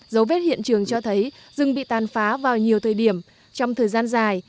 dấu vết hiện trường cho thấy rừng bị tàn phá vào nhiều thời điểm trong thời gian dài